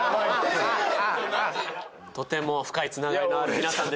・とても深いつながりのある皆さんですよね。